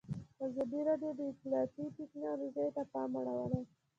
ازادي راډیو د اطلاعاتی تکنالوژي ته پام اړولی.